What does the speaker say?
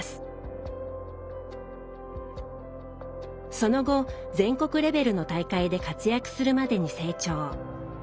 その後全国レベルの大会で活躍するまでに成長。